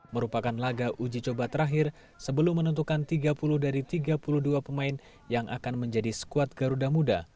merupakan laga uji coba terakhir sebelum menentukan tiga puluh dari tiga puluh dua pemain yang akan menjadi skuad garuda muda